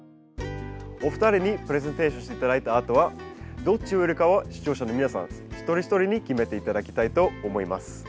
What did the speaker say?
お二人にプレゼンテーションして頂いたあとはどっち植えるかは視聴者の皆さん一人一人に決めて頂きたいと思います。